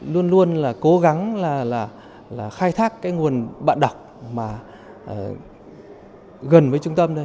luôn luôn cố gắng khai thác nguồn bạn đọc gần với trung tâm